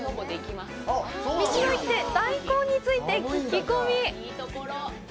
道の駅で大根について聞き込み！